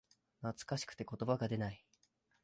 懐かしくて言葉が出ない